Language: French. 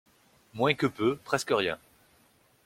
Moins que peu, presque rien.